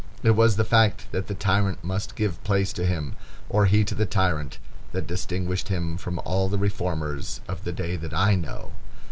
It was the fact that the tyrant must give place to him, or he to the tyrant, that distinguished him from all the reformers of the day that I know.